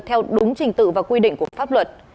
theo đúng trình tự và quy định của pháp luật